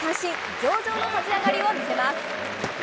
上々の立ち上がりを見せます。